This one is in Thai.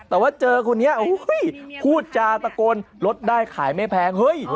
แต่ว่าเจอคนนี้พูดจาตะโกนลดได้ขายไม่แพงเฮ้ย